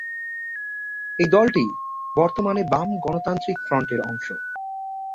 এই দলটি বর্তমানে বাম গণতান্ত্রিক ফ্রন্টের অংশ।